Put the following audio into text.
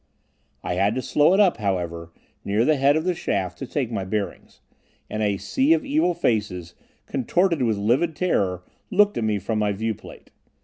I had to slow it up, however, near the head of the shaft to take my bearings; and a sea of evil faces, contorted with livid terror, looked at me from my viewplate.